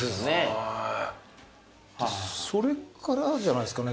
それからじゃないですかね